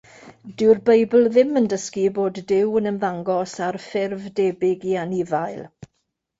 Dyw'r Beibl ddim yn dysgu bod Duw yn ymddangos ar ffurf debyg i anifail.